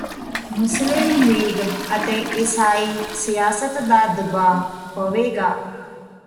ਮੁਸਲਿਮ ਲੀਗ ਅਤੇ ਇਸਾਈ ਸਿਆਸਤ ਦਾ ਦਬਾਅ ਪਵੇਗਾ